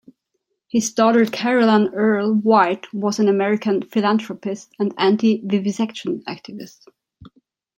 His daughter Caroline Earle White was an American philanthropist and anti-vivisection activist.